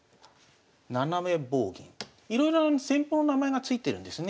斜め棒銀いろいろな戦法の名前が付いてるんですね。